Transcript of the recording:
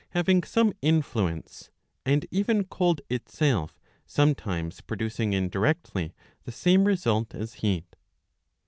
^ having some influence, and even caid itself sometimes producing indirectly the same result as heat.